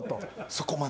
そこまで？